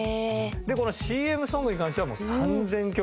でこのＣＭソングに関しては３０００曲と。